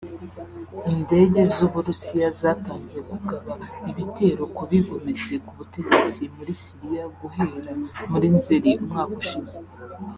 Indege z’u Burusiya zatangiye kugaba ibitero ku bigometse ku butegetsi muri Syria guhera muri Nzeri umwaka ushize